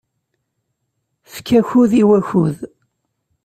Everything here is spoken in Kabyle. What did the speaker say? Efk akud i wakud